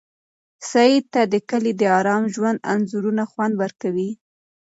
سعید ته د کلي د ارام ژوند انځورونه خوند ورکوي.